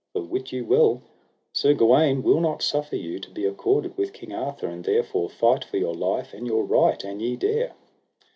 For wit you well Sir Gawaine will not suffer you to be accorded with King Arthur, and therefore fight for your life and your right, an ye dare.